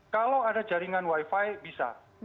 kalau ada jaringan wifi bisa